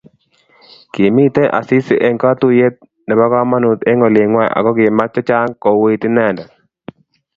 Kimitei Asisi eng katuiyet nebo komonut eng olingwai ako kimach chechang kouit inendet